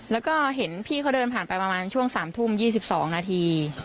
แล้วก็เห็นพี่เขาเดินผ่านไปประมาณช่วง๓ทุ่ม๒๒นาที